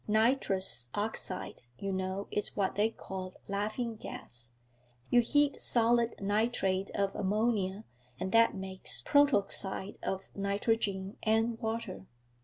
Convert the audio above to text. Nitrous oxide, you know, is what they call Laughing Gas. You heat solid nitrate of ammonia, and that makes protoxide of nitrogen and water.'